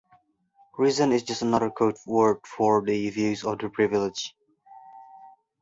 Reason is just another code word for the views of the privileged.